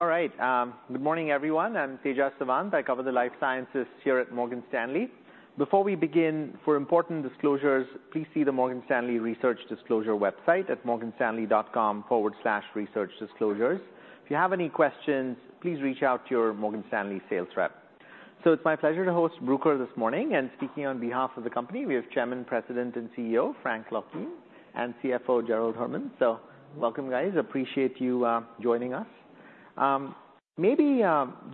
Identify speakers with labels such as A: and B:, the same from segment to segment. A: All right, good morning, everyone. I'm Tejas Sawant, I cover the life sciences here at Morgan Stanley. Before we begin, for important disclosures, please see the Morgan Stanley Research Disclosure website at morganstanley.com/researchdisclosures. If you have any questions, please reach out to your Morgan Stanley sales rep. It's my pleasure to host Bruker this morning, and speaking on behalf of the company, we have Chairman, President, and CEO, Frank Laukien, and CFO, Gerald Herman. Welcome, guys, appreciate you joining us. Maybe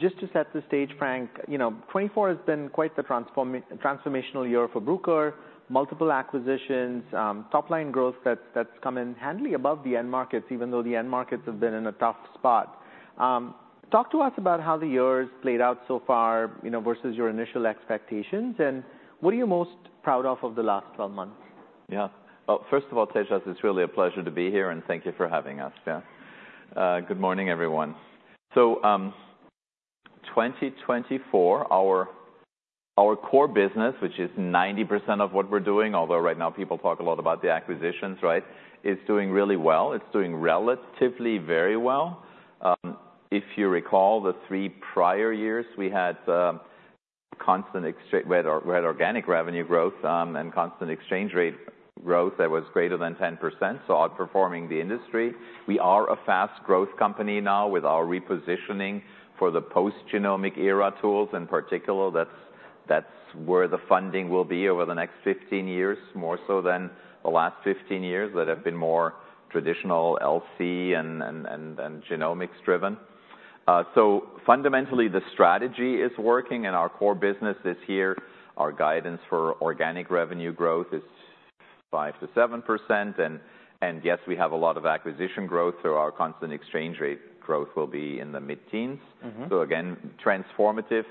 A: just to set the stage, Frank, you know, twenty-four has been quite the transformational year for Bruker. Multiple acquisitions, top-line growth that's come in handily above the end markets, even though the end markets have been in a tough spot. Talk to us about how the year has played out so far, you know, versus your initial expectations, and what are you most proud of the last 12 months?
B: Yeah. Well, first of all, Tejas, it's really a pleasure to be here, and thank you for having us. Yeah. Good morning, everyone. So, 2024, our core business, which is 90% of what we're doing, although right now people talk a lot about the acquisitions, right? Is doing really well. It's doing relatively very well. If you recall, the three prior years, we had organic revenue growth and constant exchange rate growth that was greater than 10%, so outperforming the industry. We are a fast growth company now with our repositioning for the post-genomic era tools. In particular, that's where the funding will be over the next 15 years, more so than the last 15 years, that have been more traditional LC and genomics driven. So, fundamentally, the strategy is working, and our core business this year, our guidance for organic revenue growth is 5%-7%. And yes, we have a lot of acquisition growth, so our constant exchange rate growth will be in the mid-teens.
A: Mm-hmm.
B: So again, transformative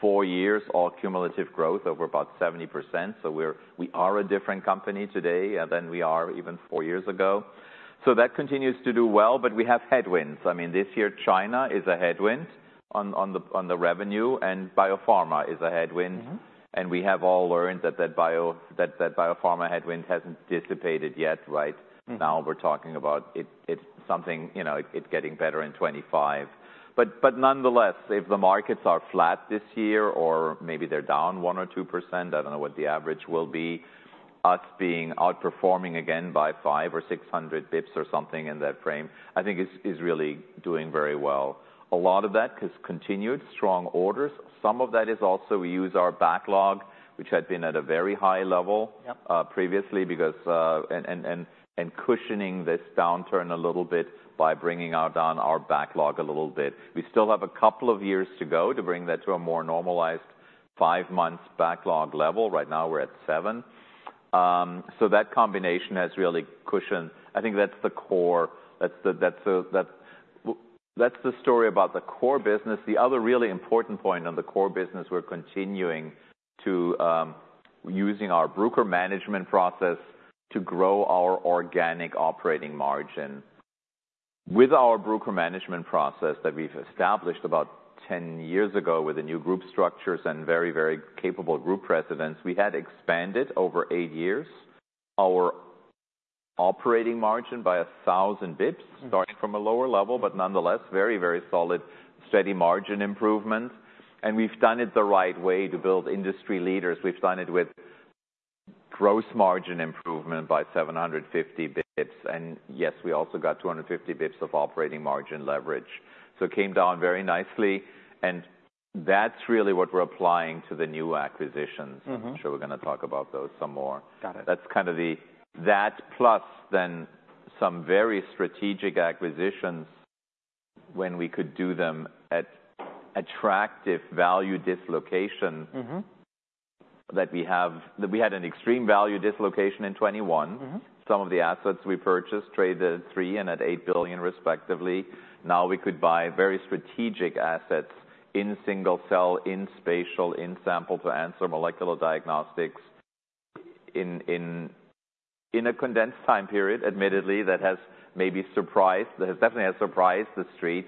B: four years of cumulative growth over about 70%, so we are a different company today than we are even four years ago. That continues to do well, but we have headwinds. I mean, this year, China is a headwind on the revenue, and biopharma is a headwind.
A: Mm-hmm.
B: We have all learned that biopharma headwind hasn't dissipated yet, right?
A: Mm.
B: Now we're talking about it. It's something, you know, it getting better in 2025. But nonetheless, if the markets are flat this year, or maybe they're down 1% or 2%, I don't know what the average will be, us being outperforming again by five or six hundred basis points or something in that range, I think is really doing very well. A lot of that has continued strong orders. Some of that is also we use our backlog, which had been at a very high level.
A: Yep...
B: previously, because and cushioning this downturn a little bit by bringing down our backlog a little bit. We still have a couple of years to go to bring that to a more normalized five-months backlog level. Right now, we're at seven. So that combination has really cushioned. I think that's the core. That's the story about the core business. The other really important point on the core business, we're continuing to using our Bruker management process to grow our organic operating margin. With our Bruker management process that we've established about ten years ago with the new group structures and very, very capable group presidents, we had expanded over eight years our operating margin by 1,000 basis points.
A: Mm.
B: Starting from a lower level, but nonetheless, very, very solid, steady margin improvement, and we've done it the right way to build industry leaders. We've done it with gross margin improvement by 750 basis points, and yes, we also got 250 basis points of operating margin leverage, so it came down very nicely, and that's really what we're applying to the new acquisitions.
A: Mm-hmm.
B: I'm sure we're gonna talk about those some more.
A: Got it.
B: That's kind of that plus then some very strategic acquisitions when we could do them at attractive value dislocation-
A: Mm-hmm...
B: that we have, that we had an extreme value dislocation in 2021.
A: Mm-hmm.
B: Some of the assets we purchased traded at $3 billion and $8 billion, respectively. Now, we could buy very strategic assets in single cell, in spatial, in sample to answer molecular diagnostics in a condensed time period, admittedly, that has maybe surprised, that definitely has surprised The Street.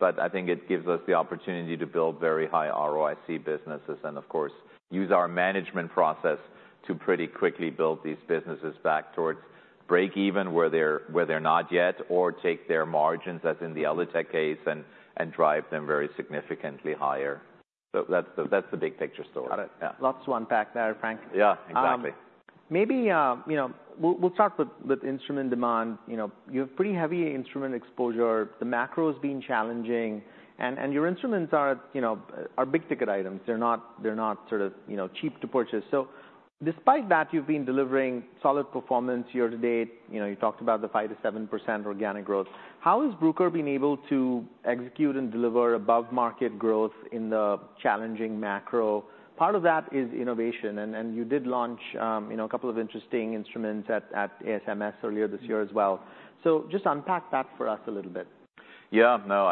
B: But I think it gives us the opportunity to build very high ROIC businesses, and of course, use our management process to pretty quickly build these businesses back towards break even, where they're, where they're not yet, or take their margins, as in the ELITech case, and drive them very significantly higher. So that's the big picture story.
A: Got it.
B: Yeah.
A: Lots to unpack there, Frank.
B: Yeah, exactly.
A: Maybe you know we'll start with instrument demand. You know, you have pretty heavy instrument exposure. The macro has been challenging, and your instruments are, you know, big-ticket items. They're not sort of, you know, cheap to purchase. So despite that, you've been delivering solid performance year to date. You know, you talked about the 5%-7% organic growth. How has Bruker been able to execute and deliver above-market growth in the challenging macro? Part of that is innovation, and you did launch, you know, a couple of interesting instruments at ASMS earlier this year as well. So just unpack that for us a little bit.
B: Yeah. No,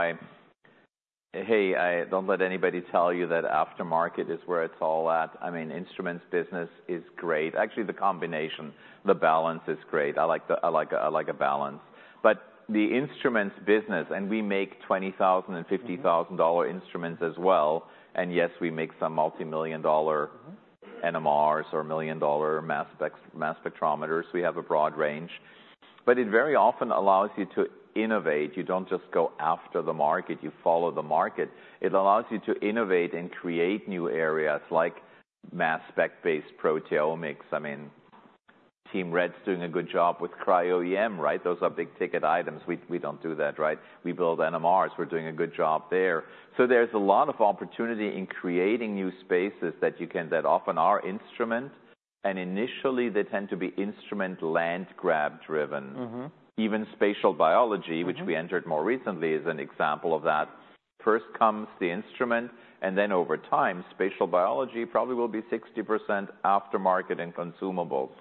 B: hey, I don't let anybody tell you that aftermarket is where it's all at. I mean, instruments business is great. Actually, the combination, the balance is great. I like the, I like a, I like a balance. But the instruments business, and we make $20,000 and $50,000 instruments as well, and yes, we make some multimillion-dollar-
A: Mm-hmm...
B: NMRs or $1 million-dollar mass spec, mass spectrometers. We have a broad range. But it very often allows you to innovate. You don't just go after the market, you follow the market. It allows you to innovate and create new areas like mass spec-based proteomics. I mean, Team Red's doing a good job with Cryo-EM, right? Those are big-ticket items. We, we don't do that, right? We build NMRs. We're doing a good job there. So there's a lot of opportunity in creating new spaces that you can- that often are instrument, and initially, they tend to be instrument land grab driven.
A: Mm-hmm.
B: Even spatial biology-
A: Mm-hmm
B: -which we entered more recently, is an example of that. First comes the instrument, and then over time, spatial biology probably will be 60% aftermarket and consumables.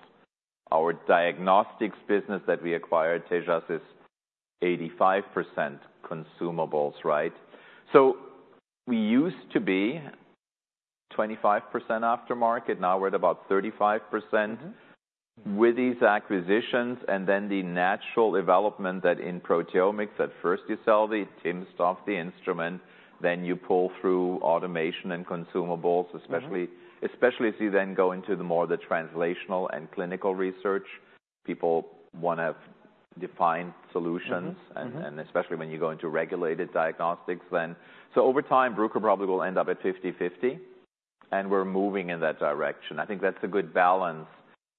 B: Our diagnostics business that we acquired, Tejas, is 85% consumables, right? So we used to be 25% aftermarket, now we're at about 35%.
A: Mm-hmm.
B: With these acquisitions, and then the natural development that in proteomics, at first, you sell the MS stuff, the instrument, then you pull through automation and consumables, especially-
A: Mm-hmm ...
B: especially as you then go into the more translational and clinical research. People wanna have defined solutions.
A: Mm-hmm, mm-hmm.
B: Especially when you go into regulated diagnostics then. So over time, Bruker probably will end up at 50/50, and we're moving in that direction. I think that's a good balance,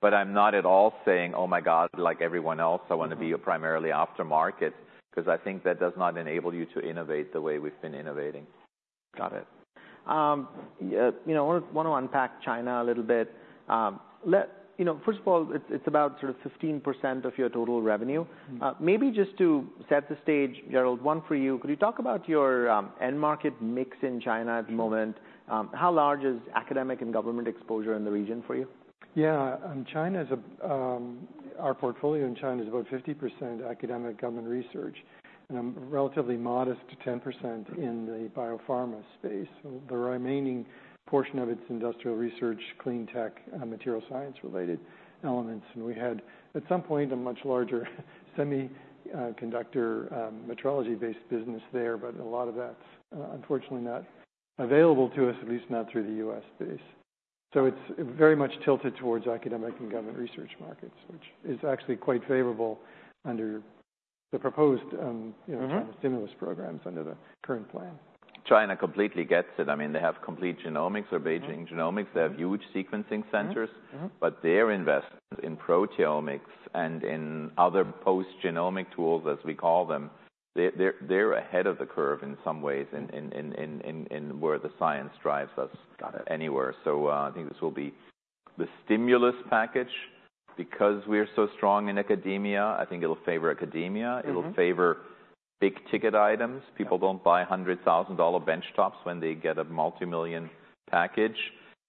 B: but I'm not at all saying, "Oh, my God," like everyone else, "I wanna be a primarily aftermarket," 'cause I think that does not enable you to innovate the way we've been innovating.
A: Got it. Yeah, you know, I wanna unpack China a little bit. You know, first of all, it's about sort of 15% of your total revenue.
B: Mm-hmm.
A: Maybe just to set the stage, Gerald, one for you. Could you talk about your end market mix in China at the moment?
B: Mm-hmm.
A: How large is academic and government exposure in the region for you?
C: Yeah, China's a-- our portfolio in China is about 50% academic government research, and a relatively modest to 10% in the biopharma space. So the remaining portion of it's industrial research, clean tech, and material science-related elements. And we had, at some point, a much larger semiconductor, metrology-based business there, but a lot of that's, unfortunately not available to us, at least not through the U.S. base. So it's, it very much tilted towards academic and government research markets, which is actually quite favorable under the proposed, you know-
B: Mm-hmm...
C: kind of, stimulus programs under the current plan.
B: China completely gets it. I mean, they have Complete Genomics or Beijing Genomics.
A: Mm-hmm.
B: They have huge sequencing centers.
A: Mm-hmm, mm-hmm.
B: But their investment in proteomics and in other post-genomic tools, as we call them, they're ahead of the curve in some ways where the science drives us-
A: Got it...
B: anywhere. So, I think this will be the stimulus package. Because we are so strong in academia, I think it'll favor academia.
A: Mm-hmm.
B: It'll favor big-ticket items.
A: Yeah.
B: People don't buy $100,000 bench tops when they get a multimillion-dollar package,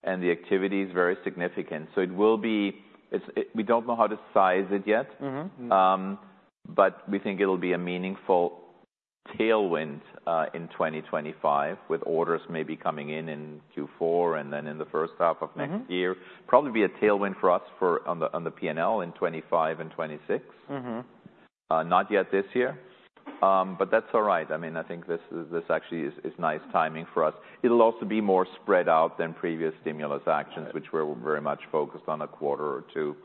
B: and the activity is very significant. So it will be... It, we don't know how to size it yet.
A: Mm-hmm, mm.
B: But we think it'll be a meaningful tailwind in 2025, with orders maybe coming in in Q4, and then in the first half of next year.
A: Mm-hmm.
B: Probably be a tailwind for us on the P&L in 2025 and 2026.
A: Mm-hmm.
B: Not yet this year, but that's all right. I mean, I think this actually is nice timing for us. It'll also be more spread out than previous stimulus actions-
A: Got it...
B: which we're very much focused on a quarter or two,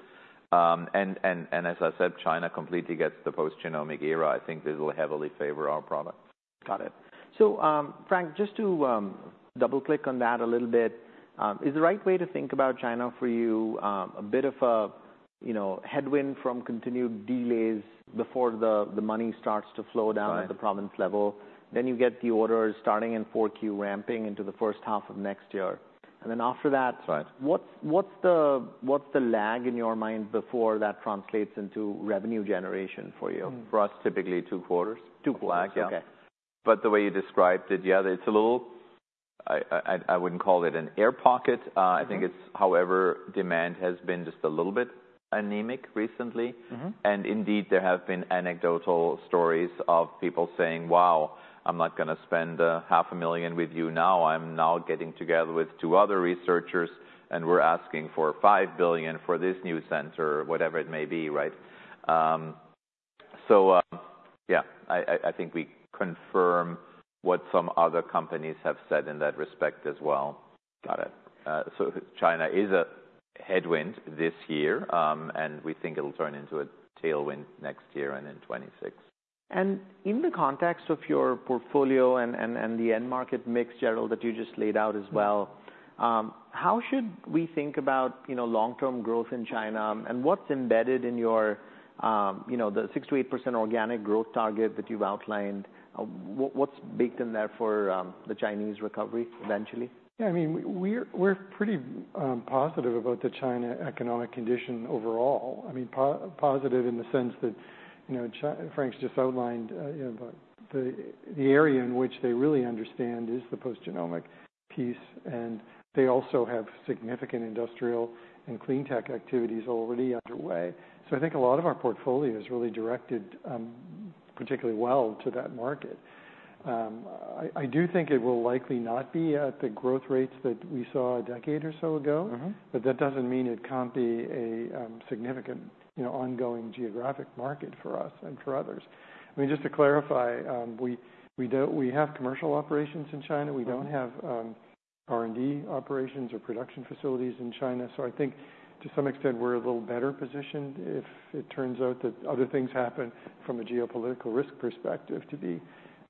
B: and as I said, China completely gets the post-genomic era. I think this will heavily favor our products.
A: Got it. So, Frank, just to double-click on that a little bit, is the right way to think about China for you a bit of a, you know, headwind from continued delays before the money starts to flow down-
B: Right...
A: at the province level, then you get the orders starting in 4Q, ramping into the first half of next year? And then after that-
B: Right...
A: what's the lag in your mind before that translates into revenue generation for you?
B: For us, typically two quarters.
A: Two quarters.
B: Lag, yeah.
A: Okay.
B: But the way you described it, yeah, it's a little... I wouldn't call it an air pocket.
A: Mm-hmm.
B: I think it's however, demand has been just a little bit anemic recently.
A: Mm-hmm.
B: Indeed, there have been anecdotal stories of people saying: "Wow, I'm not gonna spend $500,000 with you now. I'm now getting together with two other researchers, and we're asking for $5 billion for this new center," whatever it may be, right? So, yeah, I think we confirm what some other companies have said in that respect as well.
A: Got it.
B: So China is a headwind this year, and we think it'll turn into a tailwind next year and in 2026.
A: And in the context of your portfolio and the end market mix, Gerald, that you just laid out as well-
C: Mm-hmm...
A: how should we think about, you know, long-term growth in China? And what's embedded in your, you know, the 6%-8% organic growth target that you've outlined? What's baked in there for the Chinese recovery eventually?
C: Yeah, I mean, we're pretty positive about the China economic condition overall. I mean, positive in the sense that, you know, Frank's just outlined, you know, the area in which they really understand is the post-genomic piece, and they also have significant industrial and clean tech activities already underway. So I think a lot of our portfolio is really directed particularly well to that market. I do think it will likely not be at the growth rates that we saw a decade or so ago.
A: Mm-hmm.
C: But that doesn't mean it can't be a significant, you know, ongoing geographic market for us and for others. I mean, just to clarify, we don't, we have commercial operations in China.
A: Mm-hmm.
C: We don't have......
A: R&D operations or production facilities in China. So I think to some extent, we're a little better positioned if it turns out that other things happen from a geopolitical risk perspective, to be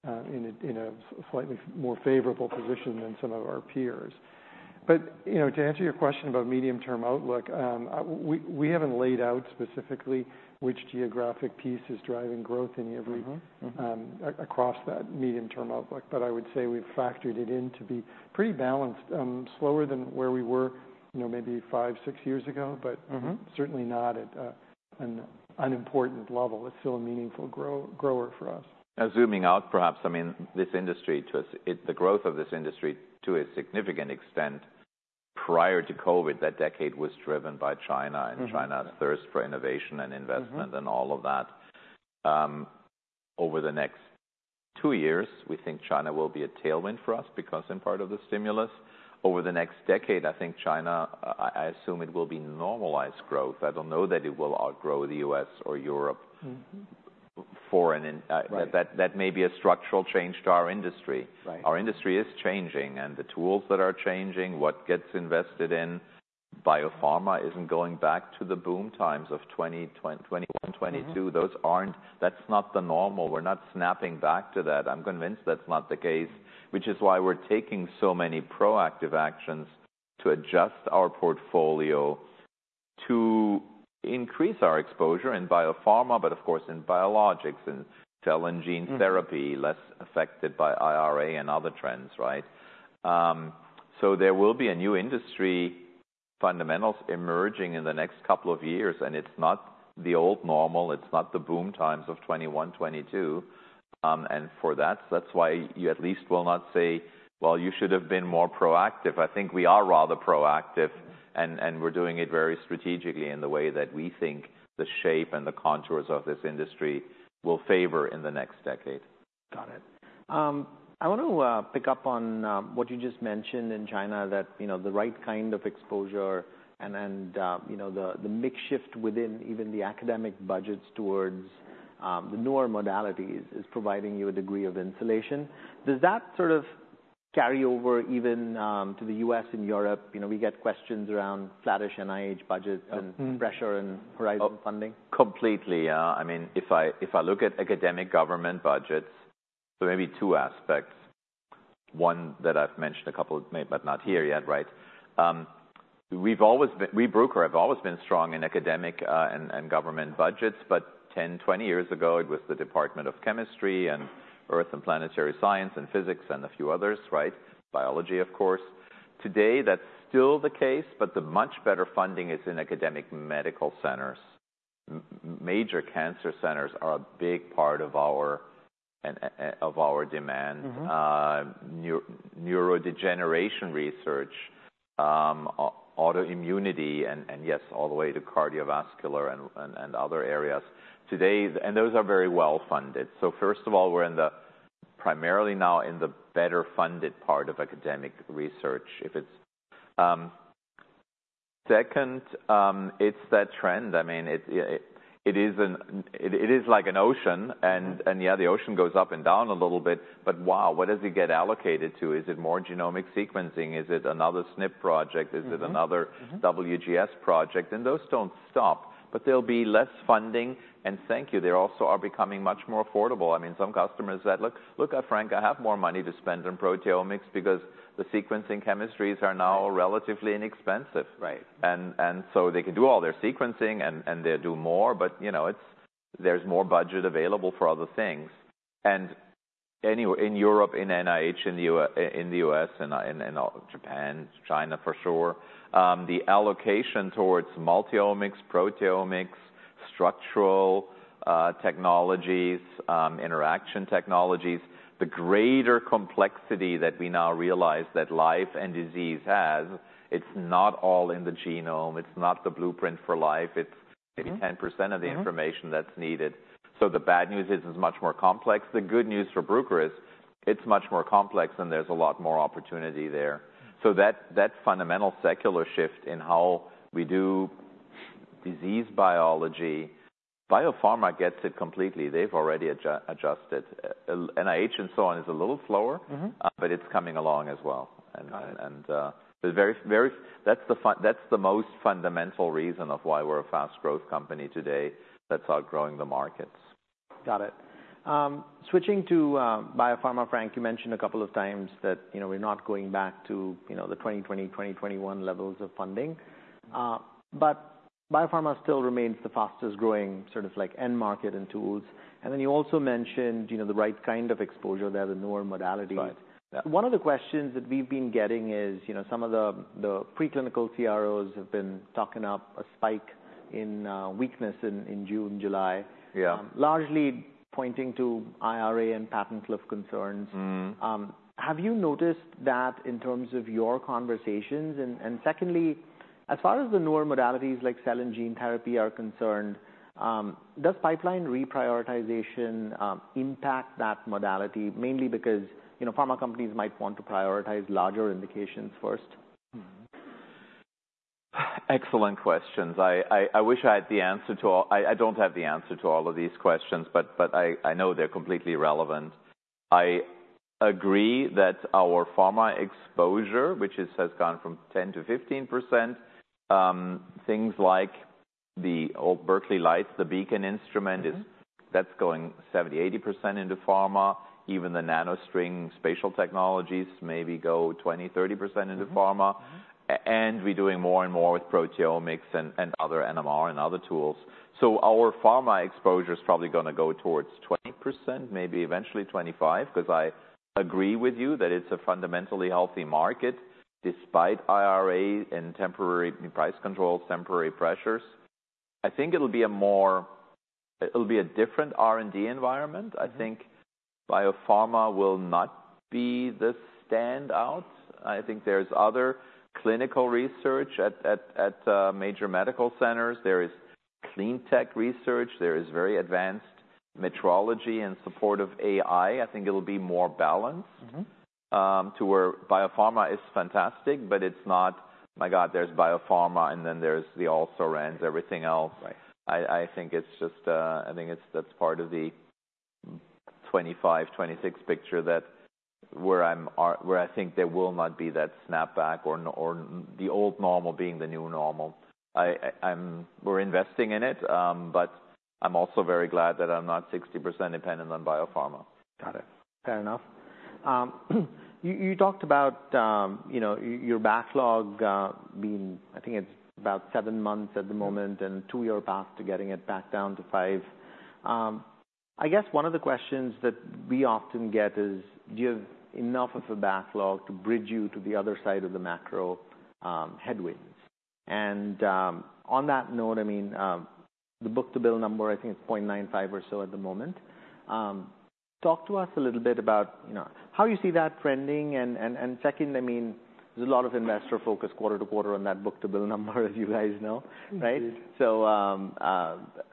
A: in a slightly more favorable position than some of our peers. But, you know, to answer your question about medium-term outlook, we haven't laid out specifically which geographic piece is driving growth in every-
B: Mm-hmm. Mm-hmm
A: Across that medium-term outlook. But I would say we've factored it in to be pretty balanced, slower than where we were, you know, maybe five, six years ago.
B: Mm-hmm.
A: But certainly not at an unimportant level. It's still a meaningful grower for us.
B: Now, zooming out, perhaps, I mean, the growth of this industry, to a significant extent, prior to COVID, that decade was driven by China.
A: Mm-hmm...
B: and China's thirst for innovation and investment-
A: Mm-hmm
B: -and all of that. Over the next two years, we think China will be a tailwind for us because in part of the stimulus. Over the next decade, I think China, I assume it will be normalized growth. I don't know that it will outgrow the US or Europe-
A: Mm-hmm
B: for an in
A: Right.
B: That may be a structural change to our industry.
A: Right.
B: Our industry is changing, and the tools that are changing what gets invested in. Biopharma isn't going back to the boom times of 2021, 2022.
A: Mm-hmm.
B: Those aren't. That's not the normal. We're not snapping back to that. I'm convinced that's not the case, which is why we're taking so many proactive actions to adjust our portfolio, to increase our exposure in biopharma, but of course, in biologics and cell and gene therapy-
A: Mm-hmm
B: Less affected by IRA and other trends, right? So there will be a new industry fundamentals emerging in the next couple of years, and it's not the old normal, it's not the boom times of 2021, 2022. And for that, that's why you at least will not say, "Well, you should have been more proactive." I think we are rather proactive, and we're doing it very strategically in the way that we think the shape and the contours of this industry will favor in the next decade.
A: Got it. I want to pick up on what you just mentioned in China, that, you know, the right kind of exposure and then, you know, the mix shift within even the academic budgets towards the newer modalities is providing you a degree of insulation. Does that sort of carry over even to the U.S. and Europe? You know, we get questions around flattish NIH budgets-
B: Mm-hmm
A: and pressure in Horizon funding.
B: Completely, yeah. I mean, if I look at academic and government budgets, so maybe two aspects. One that I've mentioned a couple, maybe, but not here yet, right? We've always been, we, Bruker, have always been strong in academic and government budgets, but 10, 20 years ago, it was the Department of Chemistry and Earth and Planetary Science and Physics and a few others, right? Biology, of course. Today, that's still the case, but the much better funding is in academic medical centers. Major cancer centers are a big part of our demand.
A: Mm-hmm.
B: Neurodegeneration research, autoimmunity, and yes, all the way to cardiovascular and other areas, and those are very well funded, so first of all, we're primarily now in the better funded part of academic research, if it's... Second, it's that trend. I mean, it is like an ocean, and yeah, the ocean goes up and down a little bit. But wow, what does it get allocated to? Is it more genomic sequencing? Is it another SNP project?
A: Mm-hmm.
B: Is it another-
A: Mm-hmm
B: WGS project? And those don't stop, but there'll be less funding, and thank you, they also are becoming much more affordable. I mean, some customers said, "Look, look, Frank, I have more money to spend on proteomics because the sequencing chemistries are now relatively inexpensive.
A: Right.
B: So they can do all their sequencing and they do more, but you know, it's. There's more budget available for other things. Anyway in Europe, in NIH, in the U.S., and Japan, China, for sure, the allocation towards multiomics, proteomics, structural technologies, interaction technologies, the greater complexity that we now realize that life and disease has. It's not all in the genome. It's not the blueprint for life.
A: Mm-hmm.
B: It's maybe 10% of the information-
A: Mm-hmm
B: -that's needed. So the bad news is, it's much more complex. The good news for Bruker is, it's much more complex, and there's a lot more opportunity there.
A: Mm.
B: So that fundamental secular shift in how we do disease biology, biopharma gets it completely. They've already adjusted. NIH and so on is a little slower.
A: Mm-hmm
B: But it's coming along as well.
A: Got it.
B: That's the most fundamental reason of why we're a fast growth company today that's outgrowing the markets.
A: Got it. Switching to biopharma, Frank, you mentioned a couple of times that, you know, we're not going back to, you know, the 2020, 2021 levels of funding. But biopharma still remains the fastest growing, sort of like, end market and tools. And then you also mentioned, you know, the right kind of exposure there, the newer modalities.
B: Right.
A: One of the questions that we've been getting is, you know, some of the preclinical CROs have been talking up a spike in weakness in June, July.
B: Yeah.
A: Largely pointing to IRA and patent cliff concerns.
B: Mm-hmm.
A: Have you noticed that in terms of your conversations? And secondly, as far as the newer modalities, like cell and gene therapy, are concerned, does pipeline reprioritization impact that modality? Mainly because, you know, pharma companies might want to prioritize larger indications first....
B: Excellent questions. I wish I had the answer to all. I don't have the answer to all of these questions, but I know they're completely relevant. I agree that our pharma exposure, which has gone from 10-15%, things like the old Berkeley Lights, the Beacon instrument, that's going 70-80% into pharma. Even the NanoString spatial technologies maybe go 20-30% into pharma. And we're doing more and more with proteomics and other NMR and other tools. So our pharma exposure is probably gonna go towards 20%, maybe eventually 25%, 'cause I agree with you that it's a fundamentally healthy market, despite IRA and temporary price controls, temporary pressures. I think it'll be a different R&D environment. I think biopharma will not be the standout. I think there's other clinical research at major medical centers. There is Clean Tech research. There is very advanced metrology in support of AI. I think it'll be more balanced-
A: Mm-hmm.
B: to where biopharma is fantastic, but it's not, "My God, there's biopharma, and then there's the also-rans, everything else.
A: Right.
B: I think it's just that that's part of the 2025, 2026 picture where I think there will not be that snapback or the old normal being the new normal. We're investing in it, but I'm also very glad that I'm not 60% dependent on biopharma.
A: Got it. Fair enough. You talked about, you know, your backlog being, I think it's about seven months at the moment, and two-year path to getting it back down to five. I guess one of the questions that we often get is: Do you have enough of a backlog to bridge you to the other side of the macro headwinds? And, on that note, I mean, the book-to-bill number, I think it's 0.95 or so at the moment. Talk to us a little bit about, you know, how you see that trending. And second, I mean, there's a lot of investor focus quarter to quarter on that book-to-bill number, as you guys know, right?
B: Mm-hmm.
A: So,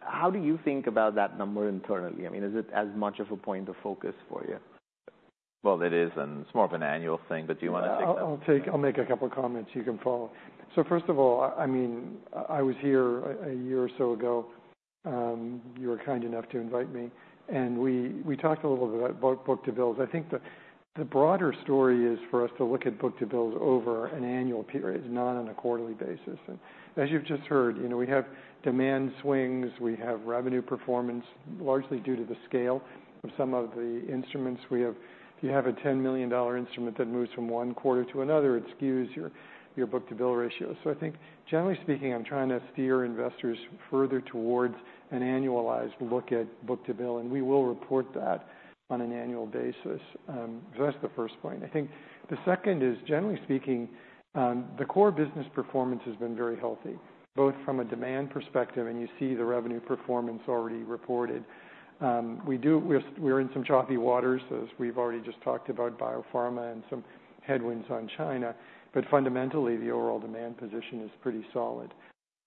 A: how do you think about that number internally? I mean, is it as much of a point of focus for you?
B: It is, and it's more of an annual thing, but do you wanna take that?
C: I'll make a couple comments, you can follow. So first of all, I mean, I was here a year or so ago. You were kind enough to invite me, and we talked a little bit about book-to-bills. I think the broader story is for us to look at book-to-bill over an annual period, not on a quarterly basis. And as you've just heard, you know, we have demand swings, we have revenue performance, largely due to the scale of some of the instruments we have. If you have a $10 million instrument that moves from one quarter to another, it skews your book-to-bill ratio. So I think, generally speaking, I'm trying to steer investors further towards an annualized look at book-to-bill, and we will report that on an annual basis. So that's the first point. I think the second is, generally speaking, the core business performance has been very healthy, both from a demand perspective, and you see the revenue performance already reported. We're in some choppy waters, as we've already just talked about biopharma and some headwinds on China, but fundamentally, the overall demand position is pretty solid.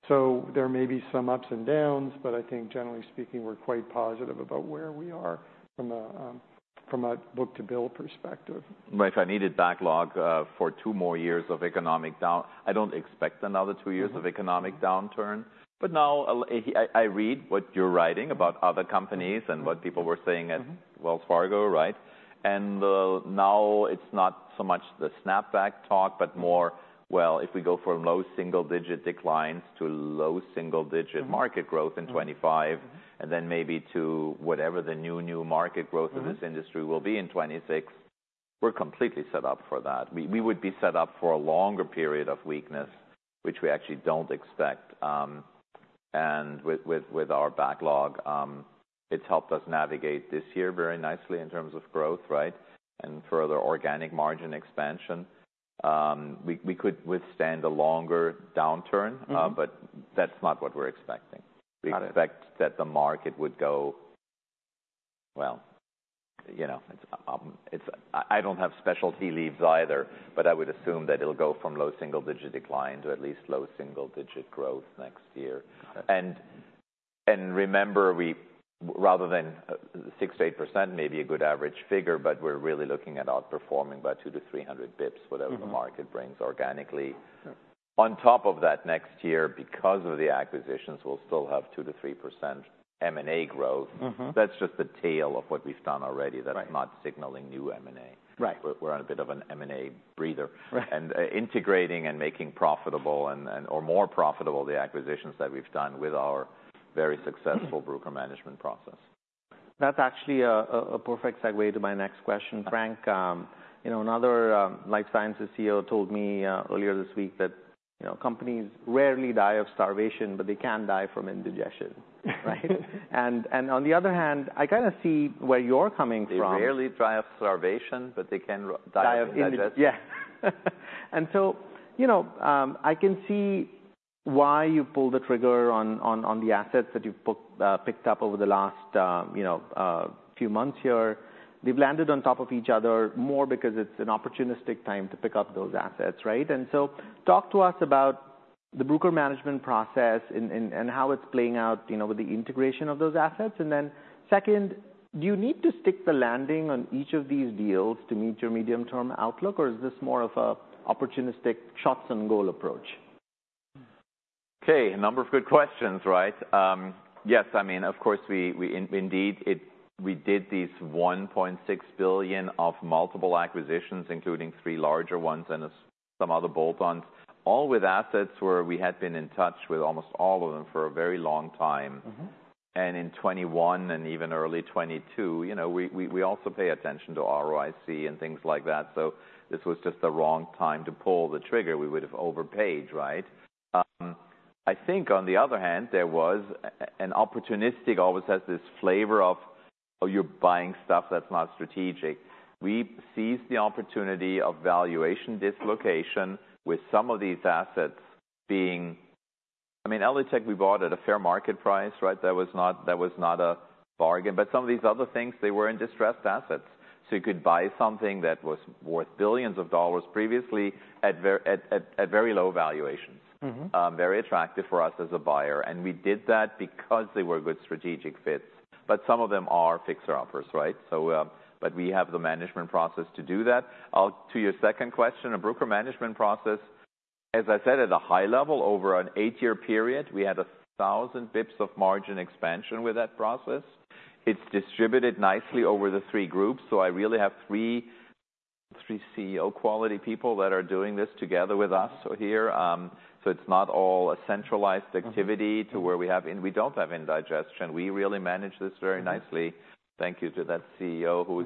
C: So there may be some ups and downs, but I think generally speaking, we're quite positive about where we are from a book-to-bill perspective.
B: Right. If I needed backlog for two more years of economic downturn, I don't expect another two years of economic downturn.
A: Mm-hmm.
B: But now, I read what you're writing about other companies and what people were saying at-
A: Mm-hmm...
B: Wells Fargo, right? And now it's not so much the snapback talk, but more: well, if we go from low single-digit declines to low single-digit market growth in 2025, and then maybe to whatever the new, new market growth-
A: Mm-hmm
B: In this industry will be in 2026, we're completely set up for that. We would be set up for a longer period of weakness, which we actually don't expect. And with our backlog, it's helped us navigate this year very nicely in terms of growth, right? And further organic margin expansion. We could withstand a longer downturn-
A: Mm-hmm.
B: But that's not what we're expecting.
A: Got it.
B: We expect that the market would go... Well, you know, it's. I don't have specialty leads either, but I would assume that it'll go from low single-digit decline to at least low single-digit growth next year.
A: Got it.
B: Remember, rather than 6-8% may be a good average figure, but we're really looking at outperforming by 200-300 basis points, whatever-
A: Mm-hmm
B: the market brings organically.
A: Sure.
B: On top of that, next year, because of the acquisitions, we'll still have 2%-3% M&A growth.
A: Mm-hmm.
B: That's just the tail of what we've done already.
A: Right.
B: That's not signaling new M&A.
A: Right.
B: We're on a bit of an M&A breather.
A: Right.
B: Integrating and making profitable, or more profitable, the acquisitions that we've done with our very successful Bruker management process.
A: That's actually a perfect segue to my next question. Frank, you know, another life sciences CEO told me earlier this week that, you know, companies rarely die of starvation, but they can die from indigestion, right? And on the other hand, I kind of see where you're coming from.
B: They rarely die of starvation, but they can die of indigestion.
A: The acquisition yeah. And so, you know, I can see why you pulled the trigger on the assets that you've picked up over the last few months here. They've landed on top of each other more because it's an opportunistic time to pick up those assets, right? And so talk to us about the Bruker management process and how it's playing out, you know, with the integration of those assets. And then second, do you need to stick the landing on each of these deals to meet your medium-term outlook, or is this more of a opportunistic shots-on-goal approach?
B: Okay, a number of good questions, right? Yes, I mean, of course, we indeed did these $1.6 billion of multiple acquisitions, including three larger ones and some other bolt-ons, all with assets where we had been in touch with almost all of them for a very long time.
A: Mm-hmm.
B: In 2021, and even early 2022, you know, we also pay attention to ROIC and things like that, so this was just the wrong time to pull the trigger. We would've overpaid, right? I think on the other hand, there was an opportunistic always has this flavor of, oh, you're buying stuff that's not strategic. We seized the opportunity of valuation dislocation with some of these assets being, I mean, ELITechGroup we bought at a fair market price, right? That was not, that was not a bargain. But some of these other things, they were in distressed assets, so you could buy something that was worth billions of dollars previously, at very low valuations.
A: Mm-hmm.
B: Very attractive for us as a buyer, and we did that because they were good strategic fits. But some of them are fixer-uppers, right? But we have the management process to do that. To your second question, a Bruker management process, as I said, at a high level, over an eight-year period, we had a thousand basis points of margin expansion with that process. It's distributed nicely over the three groups, so I really have three CEO-quality people that are doing this together with us here, so it's not all a centralized activity-
A: Mm-hmm.
B: to where we have. And we don't have indigestion. We really manage this very nicely.
A: Mm-hmm.
B: Thank you to that CEO who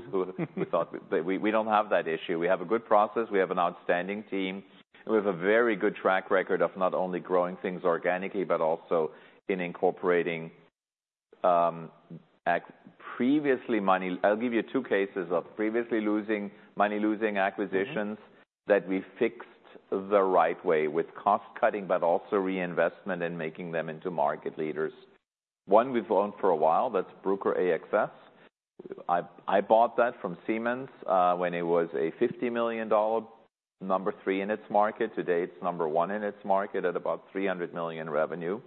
B: we thought we don't have that issue. We have a good process. We have an outstanding team. We have a very good track record of not only growing things organically, but also in incorporating previously money-losing acquisitions. I'll give you two cases of previously money-losing acquisitions.
A: Mm-hmm...
B: that we fixed the right way with cost cutting, but also reinvestment and making them into market leaders. One we've owned for a while, that's Bruker AXS. I, I bought that from Siemens when it was a $50 million, number three in its market. Today, it's number one in its market, at about $300 million revenue.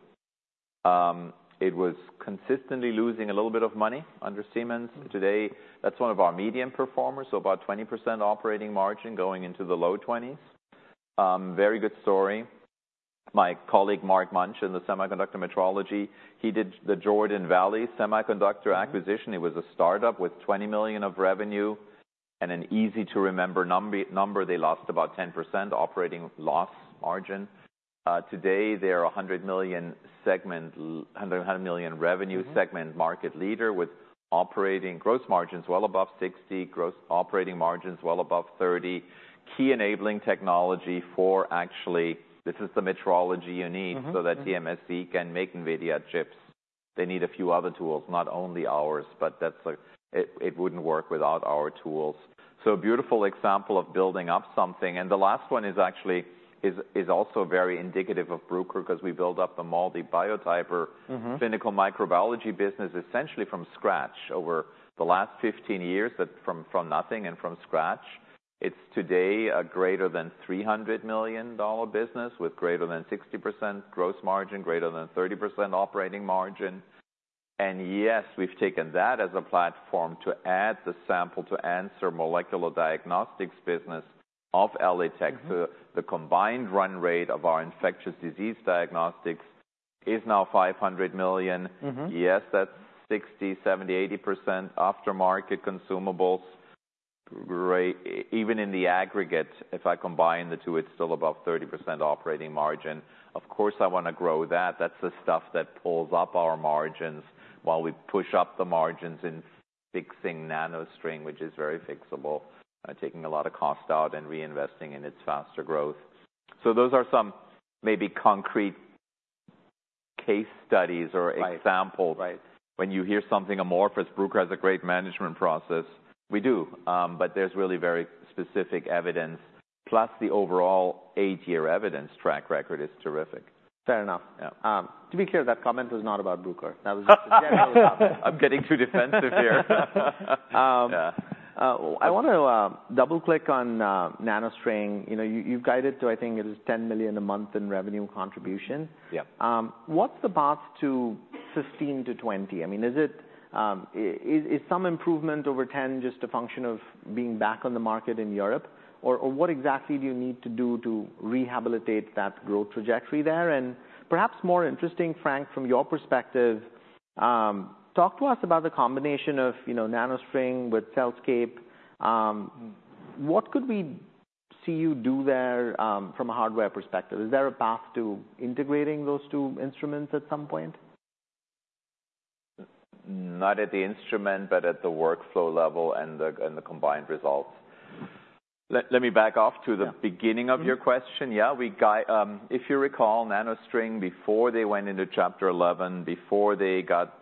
B: It was consistently losing a little bit of money under Siemens.
A: Mm-hmm.
B: Today, that's one of our medium performers, so about 20% operating margin, going into the low 20s%. Very good story. My colleague, Mark Munch, in the semiconductor metrology, he did the Jordan Valley Semiconductors acquisition. It was a startup with $20 million of revenue and an easy-to-remember number. They lost about 10% operating loss margin. Today, they're a hundred million segment, hundred million revenue-
A: Mm-hmm...
B: segment market leader with operating gross margins well above 60%, gross operating margins well above 30%. Key enabling technology for actually, this is the metrology you need-
A: Mm-hmm, mm-hmm...
B: so that TSMC can make Nvidia chips. They need a few other tools, not only ours, but that's it. It wouldn't work without our tools. So beautiful example of building up something. And the last one is actually also very indicative of Bruker, 'cause we built up the MALDI Biotyper-
A: Mm-hmm...
B: clinical microbiology business, essentially from scratch over the last 15 years. But from nothing and from scratch. It's today a greater than $300 million business with greater than 60% gross margin, greater than 30% operating margin. And yes, we've taken that as a platform to add the sample to answer molecular diagnostics business of ELITechGroup.
A: Mm-hmm.
B: The combined run rate of our infectious disease diagnostics is now $500 million.
A: Mm-hmm.
B: Yes, that's 60%, 70%, 80% aftermarket consumables even in the aggregate, if I combine the two, it's still above 30% operating margin. Of course, I wanna grow that. That's the stuff that pulls up our margins while we push up the margins in fixing NanoString, which is very fixable, taking a lot of cost out and reinvesting in its faster growth. Those are some maybe concrete case studies or examples.
A: Right, right.
B: When you hear something amorphous, Bruker has a great management process. We do, but there's really very specific evidence, plus the overall eight-year evidence track record is terrific.
A: Fair enough.
B: Yeah.
A: To be clear, that comment was not about Bruker. That was just... general comment.
B: I'm getting too defensive here.
A: Um-
B: Yeah...
A: I wanna double-click on NanoString. You know, you, you've guided to, I think, it is $10 million a month in revenue contribution.
B: Yeah.
A: What's the path to 15%-20%? I mean, is some improvement over 10% just a function of being back on the market in Europe? Or what exactly do you need to do to rehabilitate that growth trajectory there? And perhaps more interesting, Frank, from your perspective, talk to us about the combination of, you know, NanoString with CellScape. What could we see you do there, from a hardware perspective? Is there a path to integrating those two instruments at some point?
B: Not at the instrument, but at the workflow level and the combined results. Let me back off to the-
A: Yeah...
B: beginning of your question.
A: Mm-hmm.
B: Yeah, if you recall, NanoString, before they went into Chapter Eleven, before they got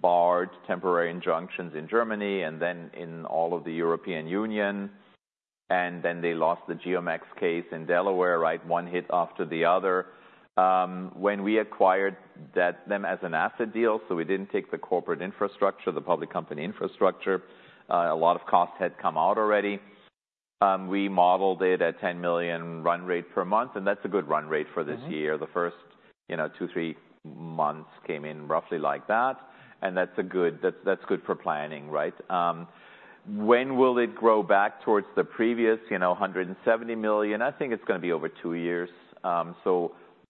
B: barred, temporary injunctions in Germany, and then in all of the European Union, and then they lost the GeoMx case in Delaware, right? One hit after the other. When we acquired them as an asset deal, so we didn't take the corporate infrastructure, the public company infrastructure, a lot of costs had come out already. We modeled it at $10 million run rate per month, and that's a good run rate for this year.
A: Mm-hmm.
B: The first, you know, two, three months came in roughly like that, and that's a good, that's, that's good for planning, right? When will it grow back towards the previous, you know, $170 million? I think it's gonna be over two years.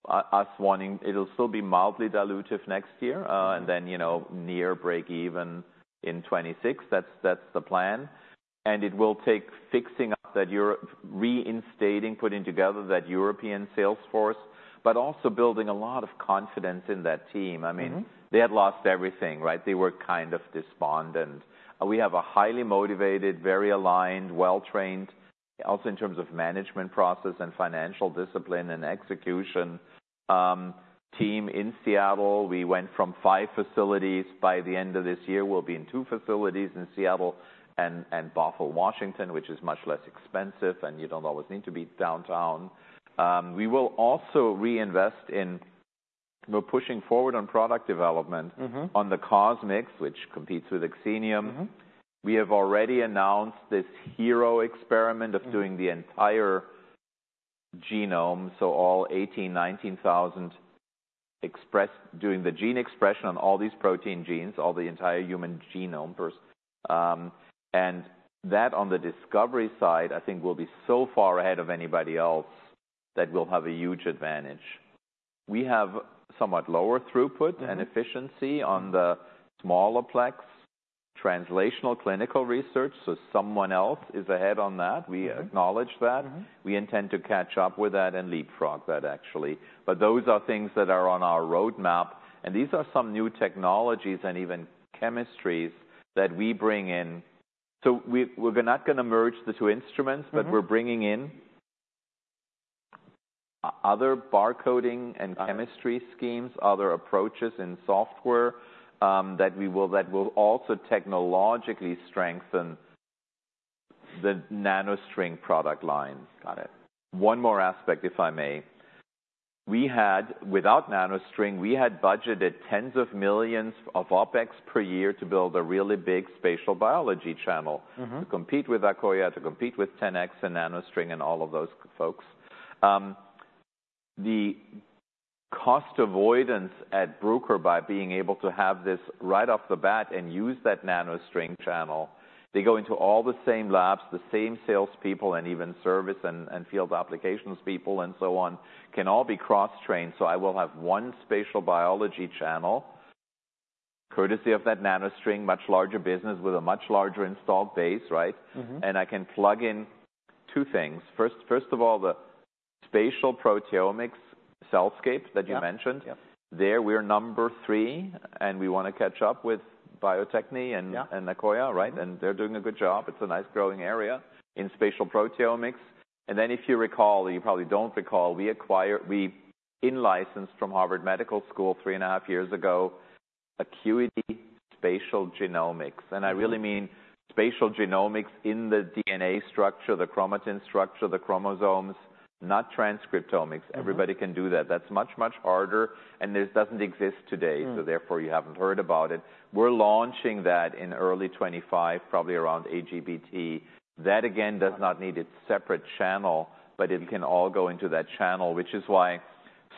B: So it'll still be mildly dilutive next year, and then, you know, near breakeven in 2026. That's, that's the plan. And it will take fixing up that European, reinstating, putting together that European sales force, but also building a lot of confidence in that team.
A: Mm-hmm.
B: I mean, they had lost everything, right? They were kind of despondent. We have a highly motivated, very aligned, well-trained, also in terms of management process and financial discipline and execution, team in Seattle. We went from five facilities. By the end of this year, we'll be in two facilities in Seattle and, and Bothell, Washington, which is much less expensive, and you don't always need to be downtown. We will also reinvest in... We're pushing forward on product development-
A: Mm-hmm.
B: -on the CosMx, which competes with Xenium.
A: Mm-hmm.
B: We have already announced this hero experiment.
A: Mm.
B: -of doing the entire genome, so all 18,000, 19,000 express-- doing the gene expression on all these protein genes, all the entire human genome first, and that, on the discovery side, I think will be so far ahead of anybody else that we'll have a huge advantage. We have somewhat lower throughput-
A: Mm-hmm.
B: -and efficiency on the smaller plex, translational clinical research, so someone else is ahead on that.
A: Mm-hmm.
B: We acknowledge that.
A: Mm-hmm.
B: We intend to catch up with that and leapfrog that, actually. But those are things that are on our roadmap, and these are some new technologies and even chemistries that we bring in. So we, we're not gonna merge the two instruments-
A: Mm-hmm.
B: but we're bringing in other bar coding and
A: Got it
B: -chemistry schemes, other approaches in software, that will also technologically strengthen the NanoString product line.
A: Got it.
B: One more aspect, if I may. Without NanoString, we had budgeted tens of millions of OpEx per year to build a really big spatial biology channel.
A: Mm-hmm...
B: to compete with Akoya, to compete with 10x and NanoString and all of those folks. The cost avoidance at Bruker, by being able to have this right off the bat and use that NanoString channel, they go into all the same labs, the same salespeople, and even service and field applications people, and so on, can all be cross-trained. So I will have one spatial biology channel, courtesy of that NanoString. Much larger business with a much larger installed base, right?
A: Mm-hmm.
B: I can plug in two things. First of all, the spatial proteomics CellScape that you mentioned.
A: Yeah. Yep.
B: There, we're number three, and we wanna catch up with Bio-Techne-
A: Yeah
B: and Akoya, right? And they're doing a good job. It's a nice, growing area in spatial proteomics. And then, if you recall, you probably don't recall, we acquired - we in-licensed from Harvard Medical School three and a half years ago, Acuity Spatial Genomics.
A: Mm-hmm.
B: I really mean spatial genomics in the DNA structure, the chromatin structure, the chromosomes, not transcriptomics.
A: Mm-hmm.
B: Everybody can do that. That's much, much harder, and this doesn't exist today-
A: Mm...
B: so therefore, you haven't heard about it. We're launching that in early 2025, probably around AGBT. That, again, does not need its separate channel, but it can all go into that channel, which is why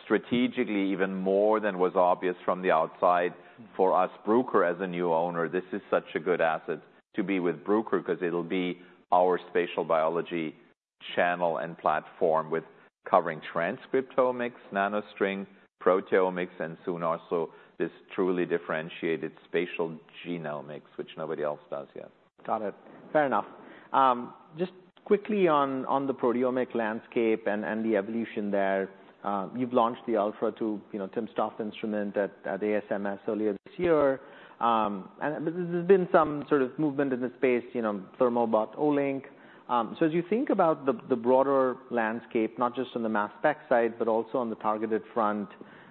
B: strategically, even more than was obvious from the outside, for us, Bruker, as a new owner, this is such a good asset to be with Bruker, 'cause it'll be our spatial biology channel and platform with covering transcriptomics, NanoString, proteomics, and soon also, this truly differentiated spatial genomics, which nobody else does yet.
A: Got it. Fair enough. Just quickly on the proteomic landscape and the evolution there, you've launched the Alpha two, you know, timsTOF instrument at ASMS earlier this year. And there's been some sort of movement in the space, you know, Thermo bought Olink. So as you think about the broader landscape, not just on the mass spec side, but also on the targeted front,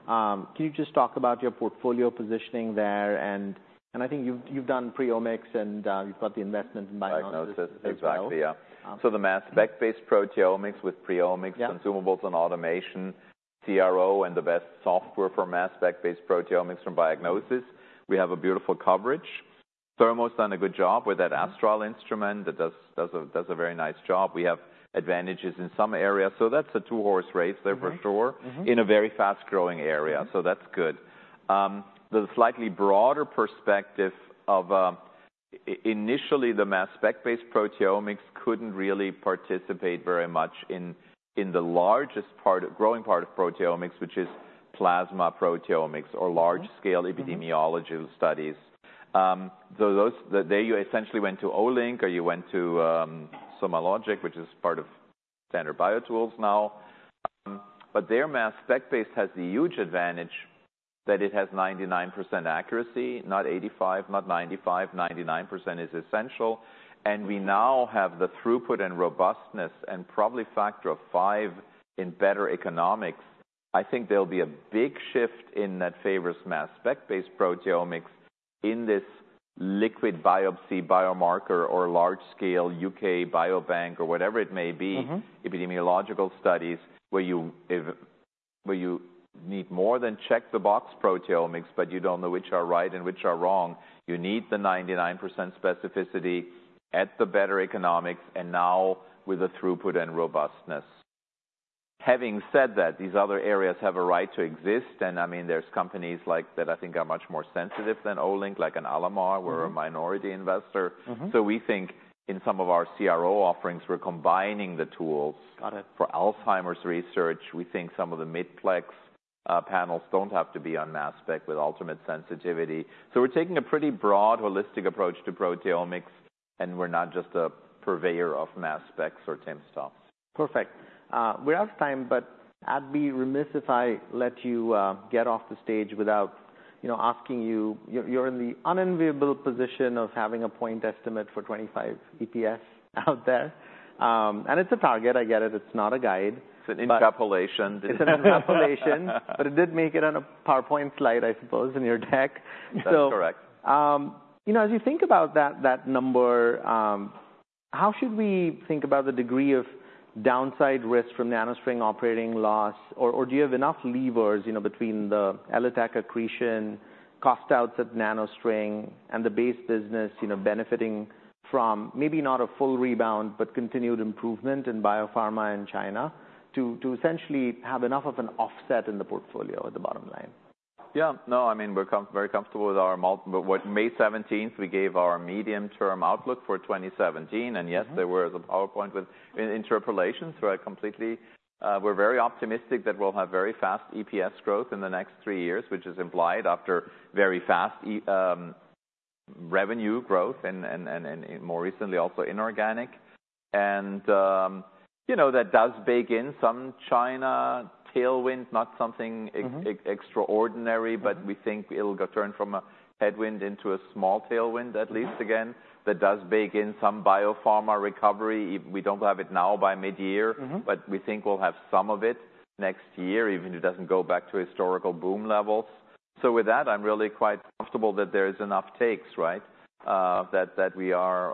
A: can you just talk about your portfolio positioning there? And I think you've done PreOmics and you've got the investment in Biognosys-
B: Biognosis.
A: -as well.
B: Exactly, yeah.
A: Um-
B: So the mass spec-based proteomics with PreOmics-
A: Yeah
B: consumables and automation, CRO, and the best software for mass spec-based proteomics from Biognosys. We have a beautiful coverage. Thermo's done a good job with that Astral instrument.
A: Mm.
B: That does a very nice job. We have advantages in some areas, so that's a two-horse race there for sure-
A: Right. Mm-hmm...
B: in a very fast-growing area-
A: Mm-hmm
B: So that's good. The slightly broader perspective of initially, the mass spec-based proteomics couldn't really participate very much in the largest part, growing part of proteomics, which is plasma proteomics.
A: Mm-hmm...
B: or large-scale epidemiology studies. So those, you essentially went to Olink, or you went to SomaLogic, which is part of Standard BioTools now. But their mass spec-based has the huge advantage that it has 99% accuracy, not 85%, not 95%. 99% is essential. And we now have the throughput and robustness, and probably factor of five in better economics. I think there'll be a big shift in that favors mass spec-based proteomics in this liquid biopsy biomarker or large-scale U.K. biobank or whatever it may be.
A: Mm-hmm.
B: Epidemiological studies, where you need more than check-the-box proteomics, but you don't know which are right and which are wrong. You need the 99% specificity at the better economics, and now with the throughput and robustness. Having said that, these other areas have a right to exist, and, I mean, there's companies like that I think are much more sensitive than Olink, like an Alamar, we're a minority investor.
A: Mm-hmm.
B: So we think in some of our CRO offerings, we're combining the tools.
A: Got it.
B: For Alzheimer's research, we think some of the MIDPLEX panels don't have to be on mass spec with ultimate sensitivity. So we're taking a pretty broad, holistic approach to proteomics, and we're not just a purveyor of mass specs or timsTOF.
A: Perfect. We're out of time, but I'd be remiss if I let you get off the stage without, you know, asking you. You're in the unenviable position of having a point estimate for 25 EPS out there, and it's a target. I get it. It's not a guide, but-
B: It's an interpolation.
A: It's an interpolation, but it did make it on a PowerPoint slide, I suppose, in your deck. So-
B: That's correct.
A: You know, as you think about that number, how should we think about the degree of downside risk from NanoString operating loss? Or do you have enough levers, you know, between the ELITech accretion, cost outs at NanoString, and the base business, you know, benefiting from maybe not a full rebound, but continued improvement in biopharma and China, to essentially have enough of an offset in the portfolio at the bottom line?
B: Yeah. No, I mean, we're very comfortable with our multiples. But what-- May 17th, we gave our medium-term outlook for 2017, and yes, there was a PowerPoint with an illustration, so I completely... We're very optimistic that we'll have very fast EPS growth in the next three years, which is implied after very fast revenue growth and more recently, also inorganic. And, you know, that does bake in some China tailwind, not something ex-
A: Mm-hmm...
B: extraordinary, but we think it'll get turned from a headwind into a small tailwind, at least again.
A: Mm-hmm.
B: That does bake in some biopharma recovery. If we don't have it now by midyear-
A: Mm-hmm...
B: but we think we'll have some of it next year, even if it doesn't go back to historical boom levels. So with that, I'm really quite comfortable that there is enough takes, right? That we are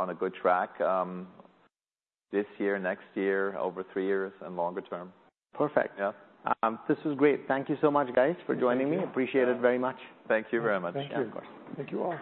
B: on a good track this year, next year, over three years, and longer term.
A: Perfect.
B: Yeah.
A: This was great. Thank you so much, guys, for joining me.
B: Thank you.
A: Appreciate it very much.
B: Thank you very much.
C: Thank you. Thank you, all.